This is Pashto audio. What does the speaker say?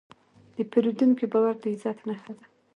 د پیرودونکي باور د عزت نښه ده.